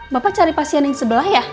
bapak cari pasien yang sebelah ya